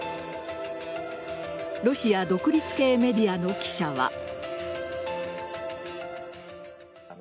ロシア独立系メディアの記者は。